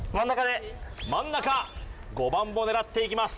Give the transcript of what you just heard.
真ん中５番を狙っていきます